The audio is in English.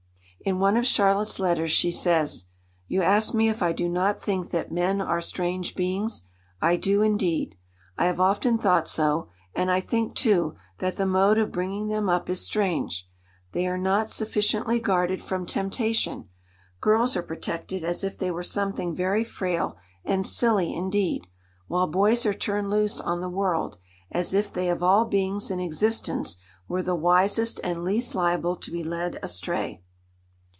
In one of Charlotte's letters she says, "You ask me if I do not think that men are strange beings? I do, indeed. I have often thought so; and I think, too, that the mode of bringing them up is strange; they are not sufficiently guarded from temptation. Girls are protected as if they were something very frail and silly indeed, while boys are turned loose on the world, as if they of all beings in existence were the wisest and least liable to be led astray."